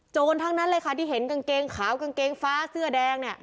ทั้งนั้นเลยค่ะที่เห็นกางเกงขาวกางเกงฟ้าเสื้อแดงเนี่ย